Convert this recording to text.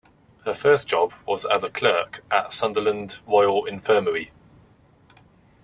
Her first job was as a clerk at Sunderland Royal Infirmary.